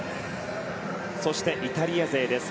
そしてイタリア勢です。